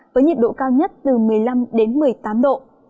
với nhiệt độ cao nhất từ một mươi năm đến một mươi tám độ